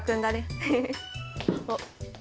おっ。